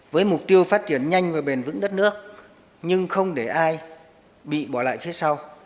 với mục tiêu phát triển nhanh và bền vững đất nước nhưng không để ai bị bỏ lại phía sau